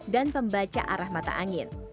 dan pembaca arah mata angin